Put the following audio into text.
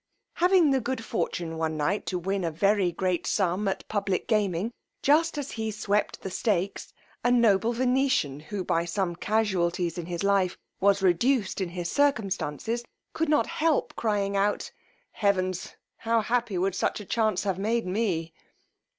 Having the good fortune one night to win a very great sum at a public gaming, just as he sweep'd the stakes, a noble Venetian, who by some casualties in life was reduced in his circumstances, could not help crying out, heavens! how happy would such a chance have made me!